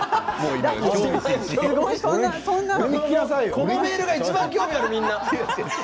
このメールがいちばん興味がある、みんな。